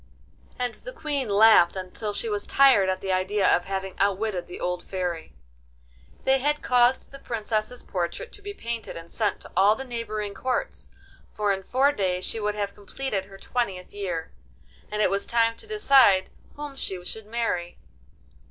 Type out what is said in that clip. And the Queen laughed until she was tired at the idea of having outwitted the old Fairy. They had caused the Princess's portrait to be painted and sent to all the neighbouring Courts, for in four days she would have completed her twentieth year, and it was time to decide whom she should marry.